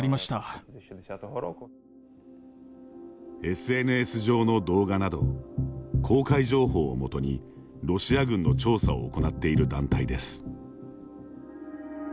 ＳＮＳ上の動画など公開情報を基にロシア軍の調査を行っている団体です。